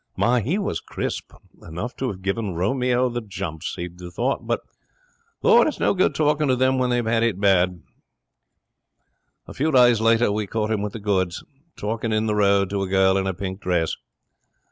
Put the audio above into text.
My, he was crisp! Enough to have given Romeo the jumps, you'd have thought. But, lor! It's no good talking to them when they've got it bad. 'A few days later we caught him with the goods, talking in the road to a girl in a pink dress.